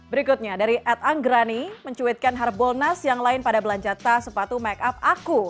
berikutnya dari ad anggrani mencuitkan harbolnas yang lain pada belanja tas sepatu make up aku